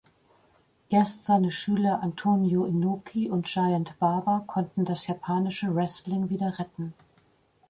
Erst seine Schüler Antonio Inoki und Giant Baba konnten das japanische Wrestling wieder retten.